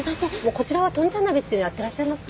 こちらはとんちゃん鍋っていうのやってらっしゃいますか？